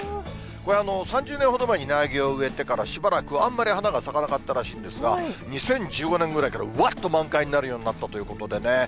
これ、３０年ほど前に苗木を植えてから、しばらくあんまり花が咲かなかったらしいんですが、２０１５年ぐらいからうわっと満開になるようになったということでね。